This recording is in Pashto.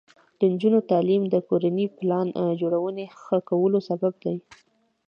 د نجونو تعلیم د کورنۍ پلان جوړونې ښه کولو سبب دی.